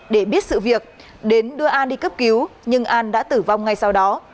để biết sự việc đến đưa an đi cấp cứu nhưng an đã tử vong ngay sau đó